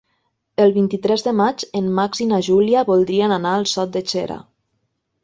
El vint-i-tres de maig en Max i na Júlia voldrien anar a Sot de Xera.